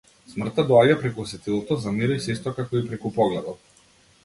Смртта доаѓа преку сетилото за мирис исто како и преку погледот.